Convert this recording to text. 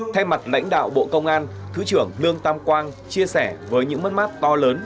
theo mặt lãnh đạo bộ công an thứ trưởng lương tam quang chia sẻ với những mắt mắt to lớn